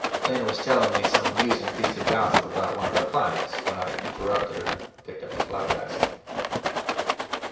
Lena was telling me some amusing piece of gossip about one of her clients, when I interrupted her and picked up the flower basket.